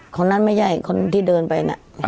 คนนั้นไม่ใช่คนที่เดินไปนะ